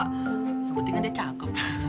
sepentingnya dia cakep